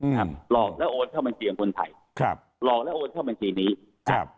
หลอกแล้วโอนเข้าบัญชีของคนไทยครับหลอกแล้วโอนเข้าบัญชีนี้ครับ